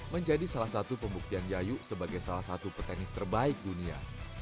menjadi salah satu pembuktian yayu sebagai salah satu petenis terbaik dunia